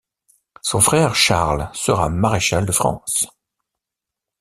Son frère Charles sera Maréchal de France.